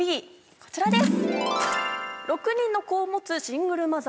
こちらです！